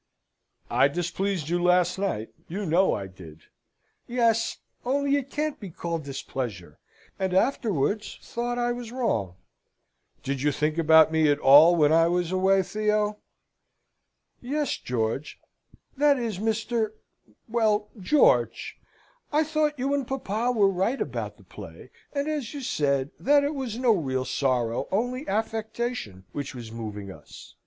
"I displeased you last night; you know I did?" "Yes; only it can't be called displeasure, and afterwards thought I was wrong." "Did you think about me at all when I was away, Theo?" "Yes, George that is, Mr. well, George! I thought you and papa were right about the play; and, as you said, that it was no real sorrow, only affectation, which was moving us.